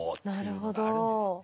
なるほど。